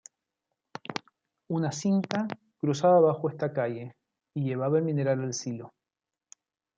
Una cinta cruzaba bajo esta calle y llevaba el mineral al silo.